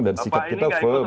dan sikap kita fem